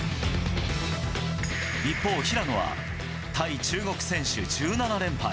一方、平野は対中国選手１７連敗。